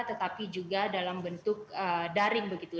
tetapi juga dalam bentuk daring begitu